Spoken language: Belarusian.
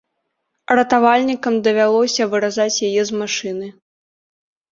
Ратавальнікам давялося выразаць яе з машыны.